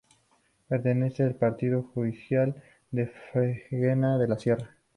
Pertenece al Partido judicial de Fregenal de la Sierra.